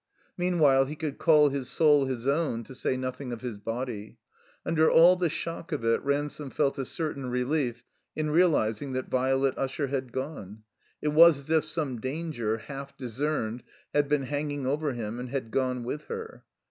Meanwhile he could call his soul his own, to say nothing of his body. Under all the shodc of it Ransome felt a certain relief in realizing that Violet Usher had gone. It was as if some dan ger, half discerned, had been hanging over him and had gone with her.